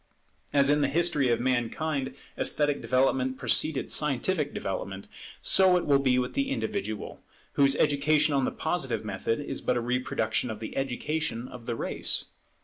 As in the history of mankind esthetic development preceded scientific development, so it will be with the individual, whose education on the Positive method is but a reproduction of the education of the race.